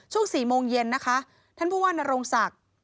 ช่วง๔โมงเย็นนะคะท่านผู้ว่านโรงศักดิ์